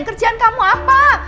kerjaan kamu apa